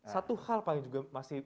satu hal pak yang juga masih